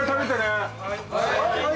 はい。